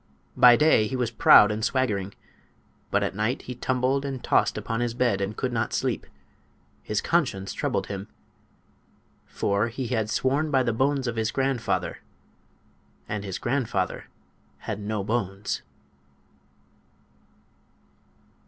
By day he was proud and swaggering. But at night he tumbled and tossed upon his bed and could not sleep. His conscience troubled him. For he had sworn by the bones of his grandfather; and his grandfather had no bones.